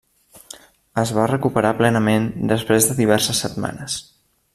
Es va recuperar plenament després de diverses setmanes.